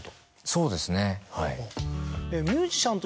そうですねはい。